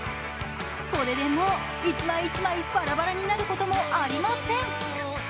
これでもう、１枚１枚バラバラになることもありません。